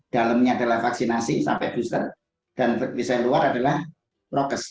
dalamnya adalah vaksinasi sampai booster dan klise luar adalah prokes